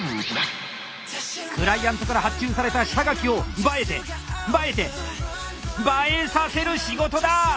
クライアントから発注された下書きを映えて映えて映えさせる仕事だ！